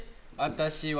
私は。